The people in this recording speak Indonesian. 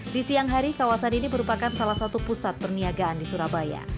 di siang hari kawasan ini merupakan salah satu pusat perniagaan di surabaya